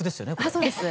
あそうです。